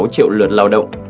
bốn sáu triệu lượt lao động